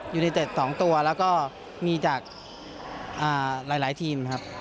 ยูเนเต็ด๒ตัวแล้วก็มีจากหลายทีมครับ